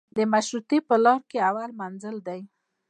د مشروطې په لار کې اول منزل دی.